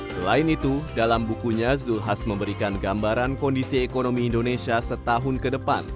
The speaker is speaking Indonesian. selain itu dalam bukunya zulkifli hasan memberikan gambaran kondisi ekonomi indonesia setahun ke depan